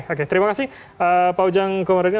oke terima kasih pak ujang komarudin